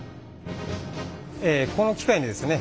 この機械でですね